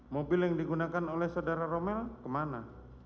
mobil yang digunakan oleh saudara romel kemana